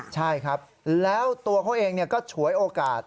ใช่ครับแล้วตัวเขาเองก็ฉวยโอกาส